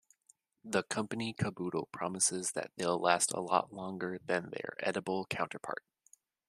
The company Kaboodle promises that they'll last a lot longer than their edible counterpart!